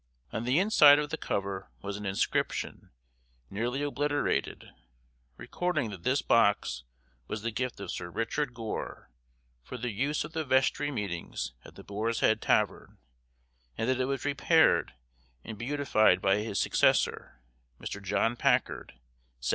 On the inside of the cover was an inscription, nearly obliterated, recording that this box was the gift of Sir Richard Gore, for the use of the vestry meetings at the Boar's Head Tavern, and that it was "repaired and beautified by his successor, Mr. John Packard, 1767."